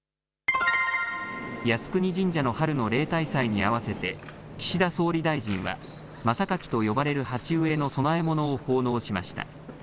靖国神社の春の例大祭に合わせて岸田総理大臣はまさかきと呼ばれる鉢植えの供え物を奉納しました。